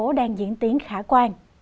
hồ chí minh diễn tiến khả quan